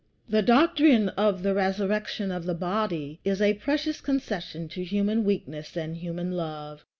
The doctrine of the resurrection of the body is a precious concession to human weakness and human love.